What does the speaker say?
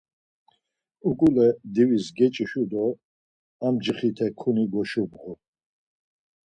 Uǩule divis geç̌işu do ar mcixite kuni kogoşubğu.